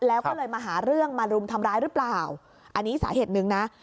แล้วก็เลยมาหาเรื่องมารุมทำร้ายหรือเปล่าอันนี้สาเหตุหนึ่งนะ